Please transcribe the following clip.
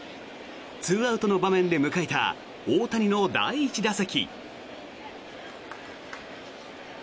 ２アウトの場面で迎えた大谷の第１打席。